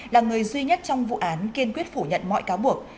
là người duy nhất trong vụ án kiên quyết phủ nhận mọi cáo buộc